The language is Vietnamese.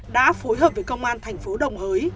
đã phối hợp với công an thành phố đồng hới